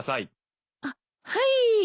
あっはい。